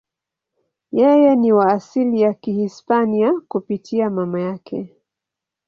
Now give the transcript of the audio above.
Yeye ni wa asili ya Kihispania kupitia mama yake.